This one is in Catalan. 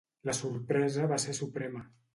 La sorpresa va ser suprema.